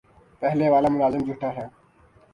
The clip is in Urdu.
پہلے والا ملازم جھوٹا ہے